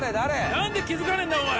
何で気付かないんだお前！